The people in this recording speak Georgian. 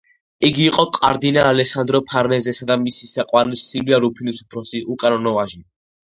იგი იყო კარდინალ ალესანდრო ფარნეზესა და მისი საყვარლის, სილვია რუფინის უფროსი, უკანონო ვაჟი.